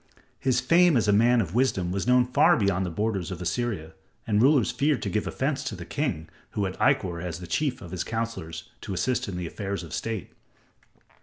His fame as a man of wisdom was known far beyond the borders of Assyria, and rulers feared to give offense to the king who had Ikkor as the chief of his counselors to assist in the affairs of state.